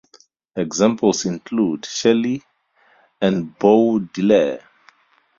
Examples include "Shelley" and "Baudelaire".